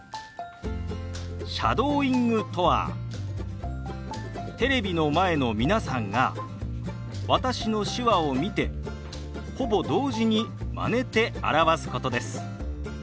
シャドーイングとはテレビの前の皆さんが私の手話を見てほぼ同時にまねて表すことです。